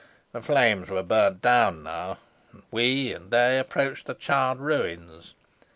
The flames were burnt down now; and we and they approached the charred ruins.